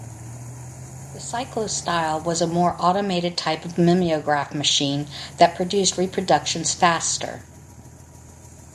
The cyclostyle was a more automated type of mimeograph machine that produced reproductions faster.